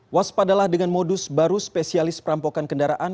waspadalah dengan modus baru spesialis perampokan kendaraan